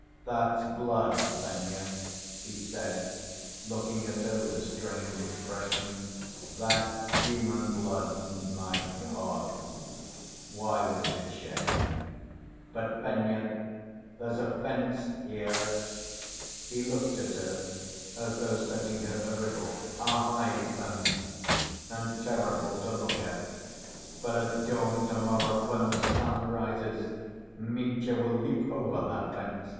"That's blood, Fenya," he said, looking at her with a strange expression. "That's human blood, and my God! why was it shed? But ... Fenya ... there's a fence here" (he looked at her as though setting her a riddle), "a high fence, and terrible to look at. But at dawn to‐morrow, when the sun rises, Mitya will leap over that fence....